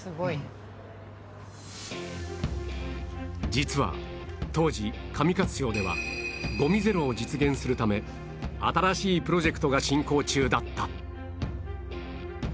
実は当時上勝町ではごみゼロを実現するため新しいプロジェクトが進行中だった